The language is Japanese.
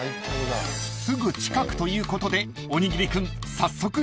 ［すぐ近くということでおにぎり君］